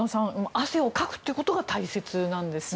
汗をかくということが大切なんですね。